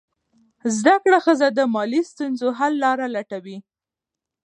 زده کړه ښځه د مالي ستونزو حل لاره لټوي.